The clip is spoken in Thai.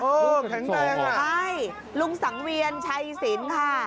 แข็งแรงอ่ะใช่ลุงสังเวียนชัยศิลป์ค่ะ